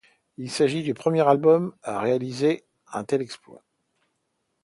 Il s'agit du premier album à réaliser un tel exploit.